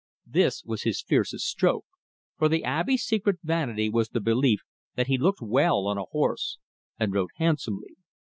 This was his fiercest stroke, for the Abbe's secret vanity was the belief that he looked well on a horse, and rode handsomely.